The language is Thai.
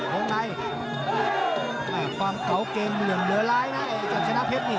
โหไงความเกาเกรงเหลืองเหลือร้ายนะกับชนะเพชรนี่